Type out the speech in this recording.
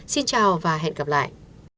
xin chào và hẹn gặp lại